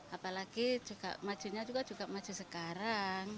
apalagi juga majunya juga maju sekarang